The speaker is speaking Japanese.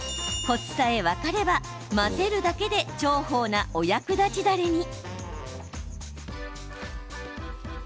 コツさえ分かれば混ぜるだけで重宝なお役立ちだれに。